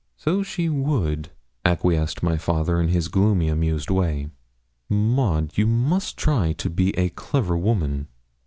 'So she would,' acquiesced my father, in his gloomy, amused way. 'Maud, you must try to be a clever woman.'